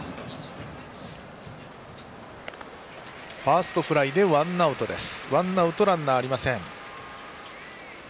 ファーストフライでワンアウト、ランナーありません。